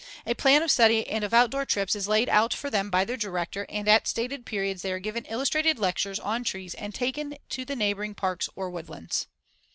A plan of study and of outdoor trips is laid out for them by their director and at stated periods they are given illustrated lectures on trees and taken to the neighboring parks or woodlands.